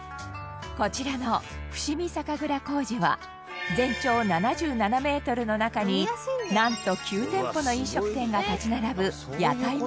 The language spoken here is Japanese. こちらの伏水酒蔵小路は全長７７メートルの中になんと９店舗の飲食店が立ち並ぶ屋台村。